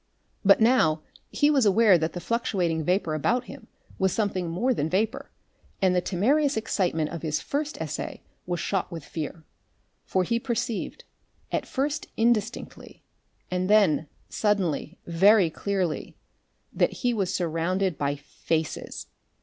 But now he was aware that the fluctuating vapour about him was something more than vapour, and the temerarious excitement of his first essay was shot with fear. For he perceived, at first indistinctly, and then suddenly very clearly, that he was surrounded by FACES!